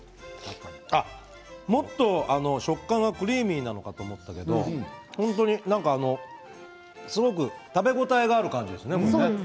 もっと食感がクリーミーなのかと思ったけれども本当になんかすごく食べ応えがある感じですね。